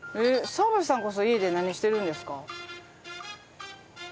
澤部さんこそ家で何してるんですか？